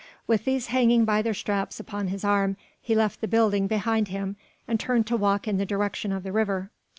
With these hanging by their straps upon his arm, he left the building behind him and turned to walk in the direction of the river.